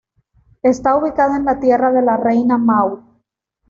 Está ubicada en la Tierra de la Reina Maud.